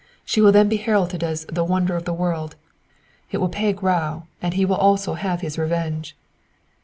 She will then be heralded as a 'wonder of the world.' It will pay Grau, and he will also have his revenge!"